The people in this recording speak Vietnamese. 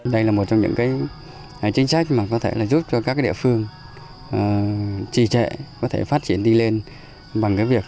đây là một trong những chính sách mà có thể là giúp cho các địa phương trì trệ có thể phát triển đi lên bằng cái việc